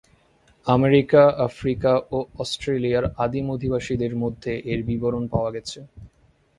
America, Africa ও অস্ট্রেলিয়ার আদিম অধিবাসীদের মধ্যে এর বিবরণ পাওয়া গেছে।